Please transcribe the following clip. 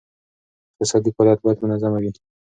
اقتصادي فعالیت باید منظمه وي.